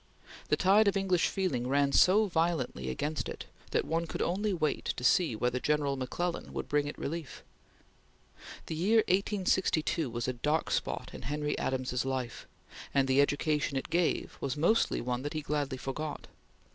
The tide of English feeling ran so violently against it that one could only wait to see whether General McClellan would bring it relief. The year 1862 was a dark spot in Henry Adams's life, and the education it gave was mostly one that he gladly forgot.